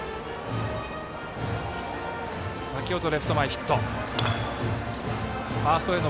先程、レフト前ヒット。